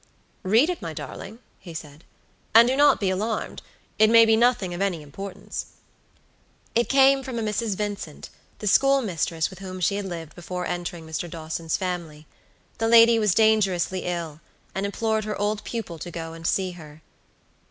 "Read it, my darling," he said, "and do not be alarmed; it may be nothing of any importance." It came from a Mrs. Vincent, the schoolmistress with whom she had lived before entering Mr. Dawson's family. The lady was dangerously ill, and implored her old pupil to go and see her.